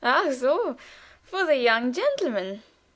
"Ah, so! For the young gentleman?